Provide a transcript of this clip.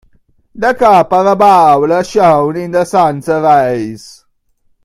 The copper bowl shone in the sun's rays.